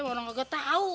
orang enggak tahu